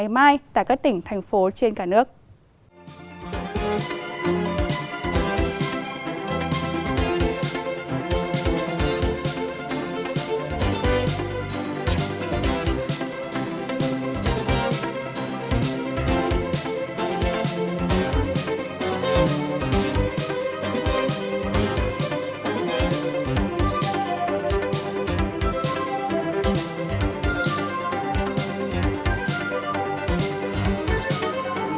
mai tại các tỉnh thành phố trên cả nước